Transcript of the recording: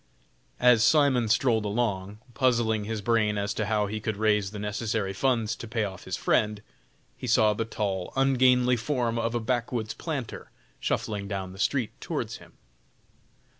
As Simon strolled along, puzzling his brain as to how he could raise the necessary funds to pay off his friend, he saw the tall, ungainly form of a backwoods planter shuffling down the street towards him.